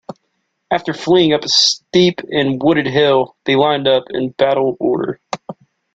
After fleeing up a steep and wooded hill, they lined up in battle order.